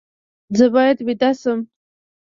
زه باید ویده شم